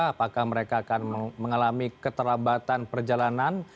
apakah mereka akan mengalami keterlambatan perjalanan